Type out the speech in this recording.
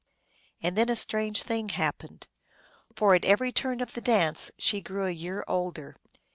And then a strange thing happened. For at every turn of the dance she grew a year older.